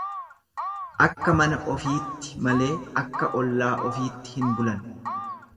Akka mana ofiitti malee akka ollaa ofiitti hin bulan.